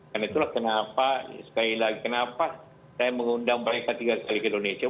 dan itulah kenapa sekali lagi kenapa saya mengundang mereka tiga kali ke indonesia